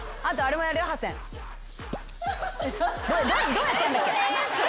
どうやってやるんだっけ？